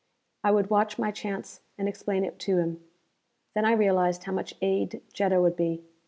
I would watch my chance and explain it to him. Then I realized how much aid Jetta would be.